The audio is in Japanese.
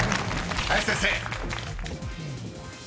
林先生］